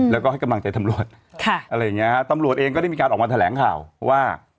แล้วก็ให้กำลังใจตำรวจค่ะอะไรอย่างเงี้ฮะตำรวจเองก็ได้มีการออกมาแถลงข่าวว่า